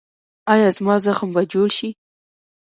ایا زما زخم به جوړ شي؟